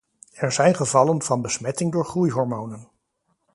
Er zijn gevallen van besmetting door groeihormonen.